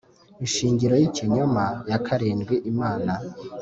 Inyigisho y ikinyoma ya karindwi Imana